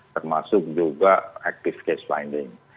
termasuk juga active case finding